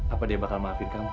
apa dia bakal maafin kamu